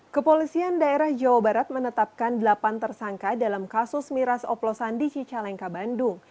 kepolisian daerah jawa barat menetapkan delapan tersangka dalam kasus miras oplosan di cicalengka bandung